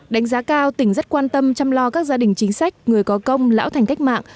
đánh giá cao tỉnh rất quan tâm chăm lo các gia đình chính sách người có công lão thành cách mạng